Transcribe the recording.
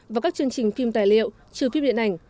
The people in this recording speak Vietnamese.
và các chương trình phim tài liệu trừ phim điện ảnh